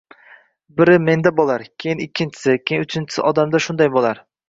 Bir menda bo‘lar, keyin ikkinchi, keyin uchinchi odamda shunday bo‘lar